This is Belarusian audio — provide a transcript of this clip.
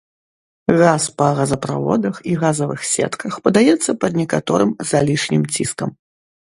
Газ па газаправодах і газавых сетках падаецца пад некаторым залішнім ціскам.